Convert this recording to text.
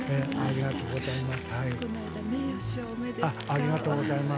ありがとうございます。